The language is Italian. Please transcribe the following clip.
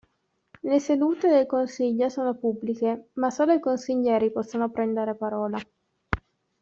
Le sedute del consiglio sono pubbliche, ma solo i consiglieri possono prendere parola.